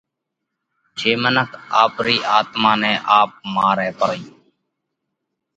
جي منک آپرِي آتما نئہ آپ مارئھ پرئي۔